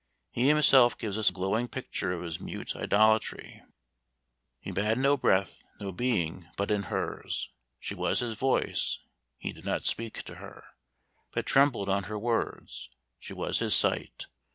He himself gives us a glowing picture of his mute idolatry: "He bad no breath, no being, but in hers; She was his voice; he did not speak to her, But trembled on her words; she was his sight.